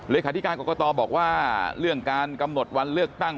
เลขาธิการกรกตบอกว่าเรื่องการกำหนดวันเลือกตั้ง